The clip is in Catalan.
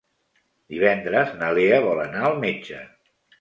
Divendres na Lea vol anar al metge.